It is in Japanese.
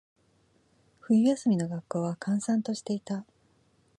冬休みの学校は、閑散としていた。